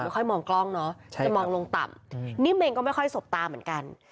ค่อยมองกล้องเนาะจะมองลงต่ำนิ่มเองก็ไม่ค่อยสบตาเหมือนกัน